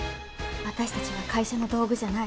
私たちは会社の道具じゃない。